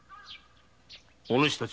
お主たち